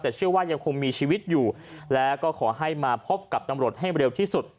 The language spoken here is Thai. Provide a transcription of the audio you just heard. แต่เชื่อว่ายังคงมีชีวิตอยู่แล้วก็ขอให้มาพบกับตำรวจให้เร็วที่สุด